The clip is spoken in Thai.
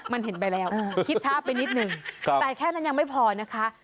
มันเห็นไปแล้วคิดช้าไปนิดนึงแต่แค่นั้นยังไม่พอนะคะ